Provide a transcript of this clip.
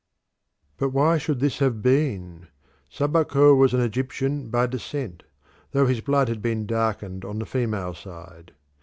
But why should this have been? Sabaco was an Egyptian by descent, though his blood had been darkened on the female side.